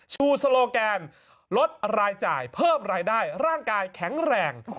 โซโลแกนลดรายจ่ายเพิ่มรายได้ร่างกายแข็งแรง